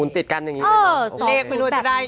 ๒๐ติดกันอย่างงี้